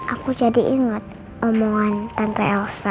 aku jadi ingat omongan tante elsa